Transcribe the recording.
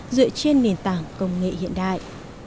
dựa trên nền tảng công nghệ hiện đại